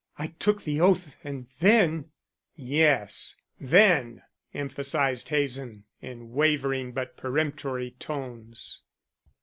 I took the oath and then " "Yes, then " emphasized Hazen in wavering but peremptory tones.